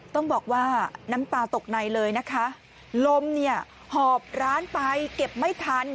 ต้องบอกว่าน้ำตาตกในเลยนะคะลมเนี่ยหอบร้านไปเก็บไม่ทัน